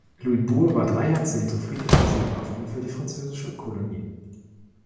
Louisbourg war drei Jahrzehnte friedlicher Seehafen für die französische Kolonie.